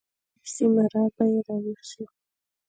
نفس اماره به يې راويښ شي.